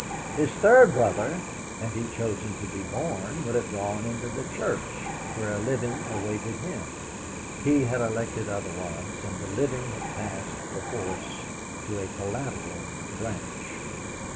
The third brother, had he chosen to be born, would have gone into the Church, where a living awaited him; he had elected otherwise, and the living had passed perforce to a collateral branch.